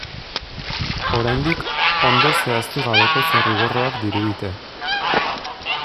Oraindik ondo zehaztu gabeko zirriborroak dirudite.